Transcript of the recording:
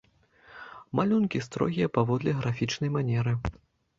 Малюнкі строгія паводле графічнай манеры.